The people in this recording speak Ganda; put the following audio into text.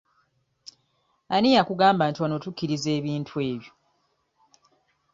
Ani yakugamba nti wano tukkiriza ebintu ebyo?